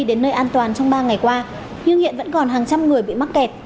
đến nơi an toàn trong ba ngày qua nhưng hiện vẫn còn hàng trăm người bị mắc kẹt